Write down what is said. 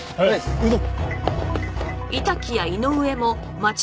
行くぞ！